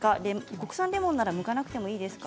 国産レモンならむかなくてもいいですか？